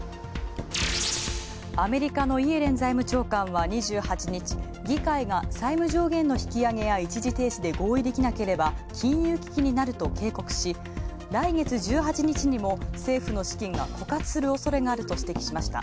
アメリカのイエレン財務長官は２８日、議会が債務上限の引き上げや一時停止で合意できなければ金融危機になると警告し、来月１８日にも政府の資金が枯渇する恐れがあると指摘しました。